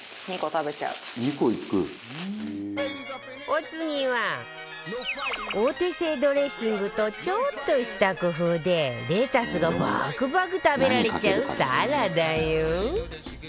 お次はお手製ドレッシングとちょっとした工夫でレタスがばくばく食べられちゃうサラダよ